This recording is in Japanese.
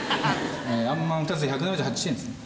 あんまん２つで１７８円ですね。